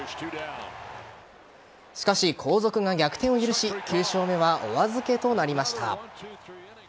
しかし、後続が逆転を許し９勝目はお預けとなりました。